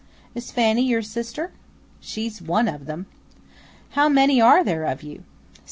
"Is Fanny your sister?" "She's one of them." "How many are there of you?"